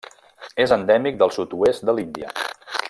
És endèmic del sud-oest de l'Índia.